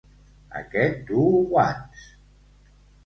Aquest duu guants!